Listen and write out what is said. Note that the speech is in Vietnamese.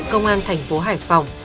công an thành phố hải phòng